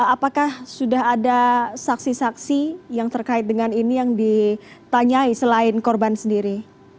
apakah sudah ada saksi saksi yang terkait dengan ini yang ditanyai selain korban sendiri